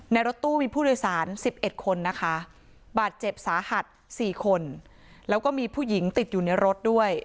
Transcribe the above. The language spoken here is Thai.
รถตู้มีผู้โดยสาร๑๑คนนะคะบาดเจ็บสาหัส๔คนแล้วก็มีผู้หญิงติดอยู่ในรถด้วย